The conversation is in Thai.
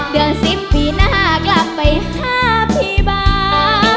เดือน๑๐ปีหน้ากลับไปหาพี่บ้า